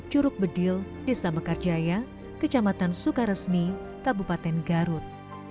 curug bedil desa bekarjaya kecamatan sukaresmi tabupaten garut